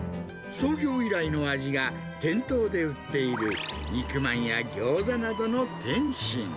創業以来の味が、店頭で売っている肉まんやギョーザなどの点心。